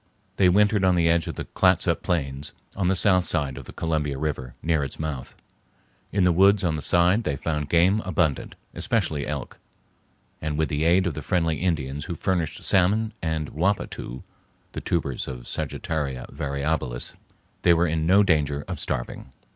They wintered on the edge of the Clatsop plains, on the south side of the Columbia River near its mouth. In the woods on that side they found game abundant, especially elk, and with the aid of the friendly Indians who furnished salmon and "wapatoo" (the tubers of Sagittaria variabilis), they were in no danger of starving.